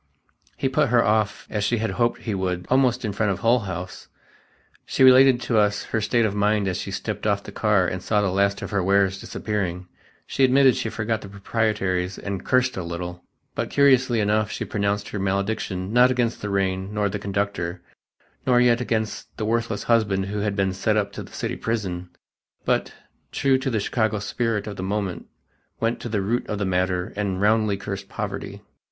He put her off, as she had hoped he would, almost in front of Hull House. She related to us her state of mind as she stepped off the car and saw the last of her wares disappearing; she admitted she forgot the proprieties and "cursed a little," but, curiously enough, she pronounced her malediction, not against the rain nor the conductor, nor yet against the worthless husband who had been set up to the city prison, but, true to the Chicago spirit of the moment, went to the root of the matter and roundly "cursed poverty."